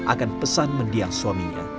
akan pesan mendiang suaminya